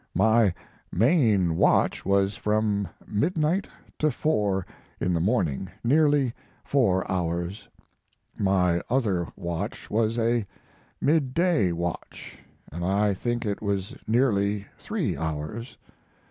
My main watch was from midnight to four in the morning, nearly four hours. My other watch was a midday watch, and I think it was nearly three hours.